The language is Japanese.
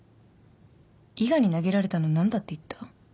伊賀に投げられたの何だって言った？